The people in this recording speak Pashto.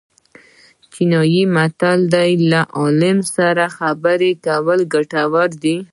چینایي متل وایي له عالم سره خبرې کول ګټور دي.